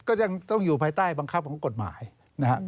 ก็ยังต้องอยู่ภายใต้บังคับของกฎหมายนะครับ